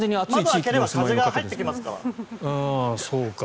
窓を開ければ風が入ってきますから。